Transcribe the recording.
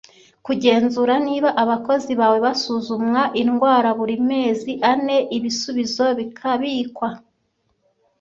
Kugenzura niba abakozi bawe basuzumwa indwara buri mezi ane ibisubizo bikabikwa